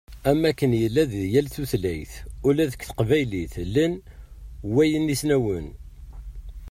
Am wakken yella di yal tutlayt, ula deg teqbaylit llan waynismawen.